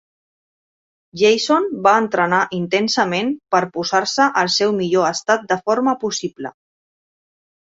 Jason va entrenar intensament per posar-se al seu millor estat de forma possible.